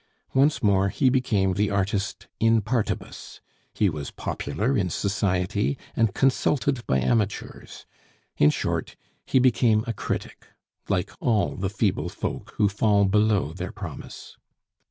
Once more he became the artist in partibus; he was popular in society, and consulted by amateurs; in short, he became a critic, like all the feeble folk who fall below their promise.